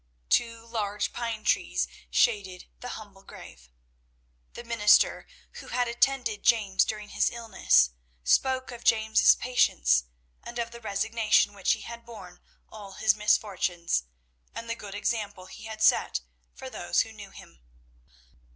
Two large pine trees shaded the humble grave. The minister who had attended James during his illness spoke of James's patience and of the resignation with which he had borne all his misfortunes, and the good example he had set for those who knew him.